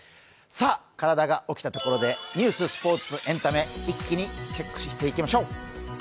体が起きたところでニューススポーツ、エンタメ、一気にチェックしていきましょう。